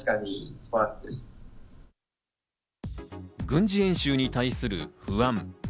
軍事演習に対する不安。